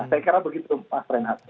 saya kira begitu mas renhat